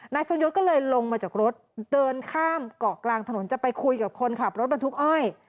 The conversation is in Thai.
ทรงยศก็เลยลงมาจากรถเดินข้ามเกาะกลางถนนจะไปคุยกับคนขับรถบรรทุกอ้อย